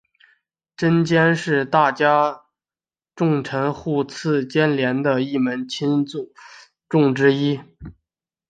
鉴贞是大友家重臣户次鉴连的一门亲族众之一。